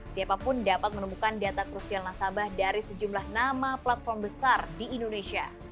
siapapun dapat menemukan data krusial nasabah dari sejumlah nama platform besar di indonesia